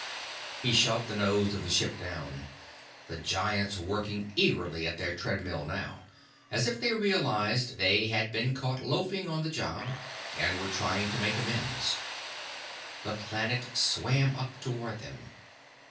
He shoved the nose of the ship down, the giants working eagerly at their treadmill now, as if they realized they had been caught loafing on the job and were trying to make amends. The planet swam up toward them.